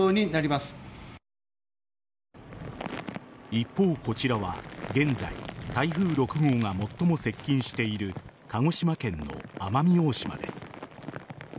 一方、こちらは現在台風６号が最も接近している鹿児島県の奄美大島です。